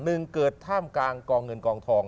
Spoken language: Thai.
หนึ่งเกิดท่ามกลางกองเงินกองทอง